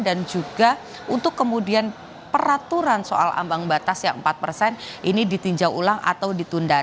dan juga untuk kemudian peraturan soal ambang batas yang empat ini ditinjau ulang atau ditundan